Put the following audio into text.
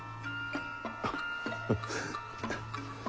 アハハハ。